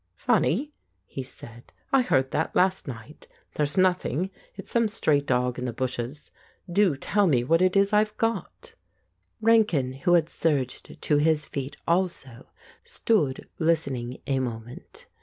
"Funny," he said, "I heard that last night. There's nothing; it's some stray dog in the bushes. Do tell me what it is that I've got." Rankin, who had surged to his feet also, stood listening a moment.